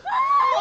お！